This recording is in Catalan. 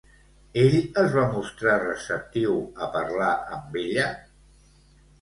Ell es va mostrar receptiu a parlar amb ella?